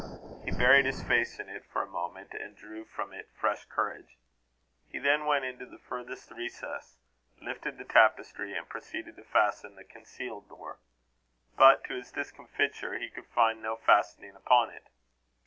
He buried his face in it for a moment, and drew from it fresh courage. He then went into the furthest recess, lifted the tapestry, and proceeded to fasten the concealed door. But, to his discomfiture, he could find no fastening upon it.